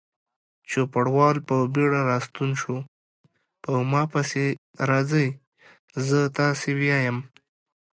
چوپړوال په بیړه راستون شو: په ما پسې راځئ، زه تاسې بیایم.